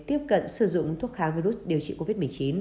tiếp cận sử dụng thuốc kháng virus điều trị covid một mươi chín